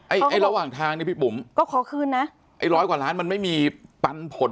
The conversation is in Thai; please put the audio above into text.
ไอ้ไอ้ระหว่างทางนี่พี่บุ๋มก็ขอคืนนะไอ้ร้อยกว่าล้านมันไม่มีปันผล